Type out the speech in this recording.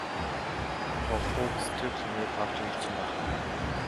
Frau Vogts Türklingel brachte mich zum Lachen.